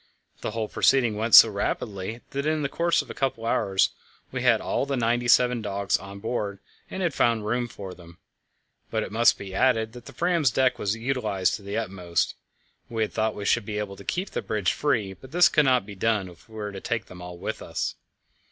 The whole proceeding went so rapidly that in the course of a couple of hours we had all the ninety seven dogs on board and had found room for them; but it must be added that the Fram's deck was utilized to the utmost. We had thought we should be able to keep the bridge free, but this could not be done if we were to take them all with us.